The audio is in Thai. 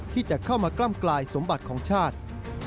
ที่จะเข้ามากล้ำกลายสมบัติของชาติ